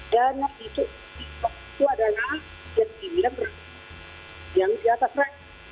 dana itu adalah yang di atas ya